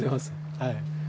はい。